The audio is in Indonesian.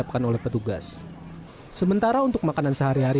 perillo ini juga diantaranya sebagai pertanda nazi kiev wright seratus lelaki